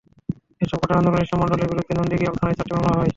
এসব ঘটনায় নুরুল ইসলাম মণ্ডলের বিরুদ্ধে নন্দীগ্রাম থানায় চারটি মামলা হয়।